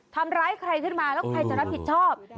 ทำร้ายใครขึ้นมาแล้วใครจะรับผิดชอบ